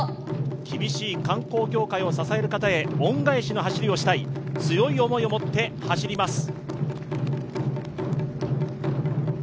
厳しい観光業界を支える方へ恩返しの走りをしたい、強い思いを持って走ります。